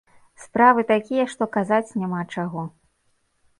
Справы такія, што казаць няма чаго.